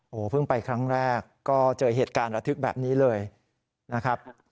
โอ้โหเพิ่งไปครั้งแรกก็เจอเหตุการณ์ระทึกแบบนี้เลยนะครับ